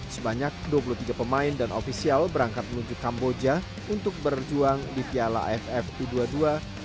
sebanyak dua puluh tiga pemain dan ofisial berangkat menuju kamboja untuk berjuang di piala aff u dua puluh dua